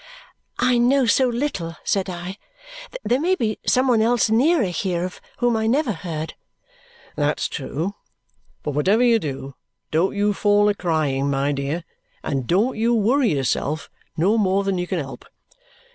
"I know so little," said I. "There may be some one else nearer here, of whom I never heard." "That's true. But whatever you do, don't you fall a crying, my dear; and don't you worry yourself no more than you can help.